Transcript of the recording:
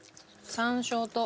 山椒と。